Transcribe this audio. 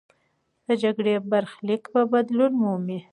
د جګړې برخلیک به بدلون مومي.